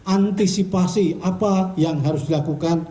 antisipasi apa yang harus dilakukan